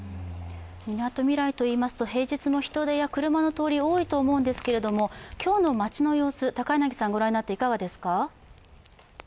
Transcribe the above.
みなとみらいといいますと、平日の人出や車の通り多いと思いますが、今日の街の様子、ご覧になっていかがですか？